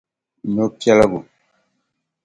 nyɔ' piɛligu.